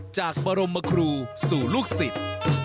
จากบรมครูสู่ลูกศิษย์